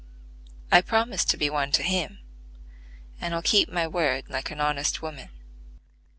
I promised to be one to him, and I'll keep my word like an honest woman.